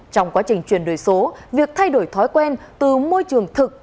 trong quá trình chuyển đổi số việc thay đổi thói quen từ môi trường thực